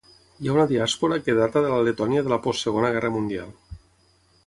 Hi ha una diàspora que data de la Letònia de la post Segona Guerra Mundial.